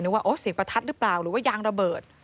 ว่าเสียงประทัดหรือเปล่าหรือว่ายางระเบิด